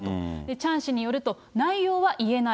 チャン氏によると、内容は言えない。